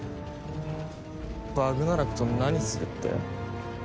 バグナラクと何するって？